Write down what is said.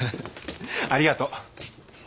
ありがとう。